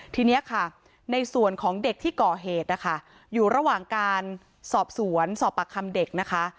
ทีนี้ค่ะในส่วนของเด็กที่ก่อเหตุนะคะอยู่ระหว่างการสอบสวนสอบปากคำเด็กนะคะ